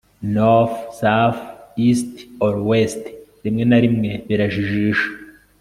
north, south, east or west) rimwe na rimwe birajijisha